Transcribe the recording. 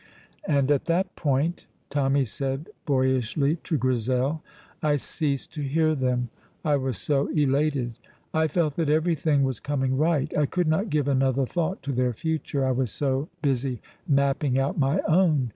"And at that point," Tommy said, boyishly, to Grizel, "I ceased to hear them, I was so elated; I felt that everything was coming right. I could not give another thought to their future, I was so busy mapping out my own.